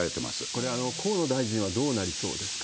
これ、河野大臣はどうなりそうですか？